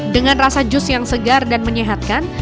dengan rasa jus yang segar dan menyehatkan